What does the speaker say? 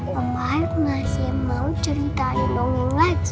mama masih mau ceritain dongeng lagi